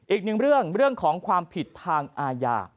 อีกหนึ่งเรื่องของความผิดทางอาญา